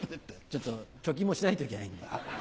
ちょっと貯金もしないといけないんで。